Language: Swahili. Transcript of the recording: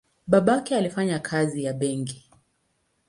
Babake alifanya kazi ya benki.